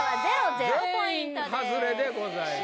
全員ハズレでございます